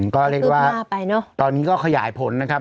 ก็เรียกว่าตอนนี้ก็ขยายผลนะครับ